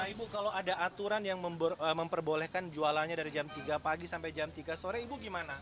nah ibu kalau ada aturan yang memperbolehkan jualannya dari jam tiga pagi sampai jam tiga sore ibu gimana